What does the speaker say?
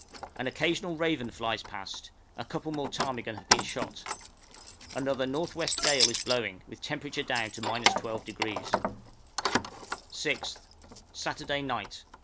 An occasional raven flies past, a couple more ptarmigan have been shot: another N.W. gale is blowing, with temperature down to 12°. _6th. Saturday Night.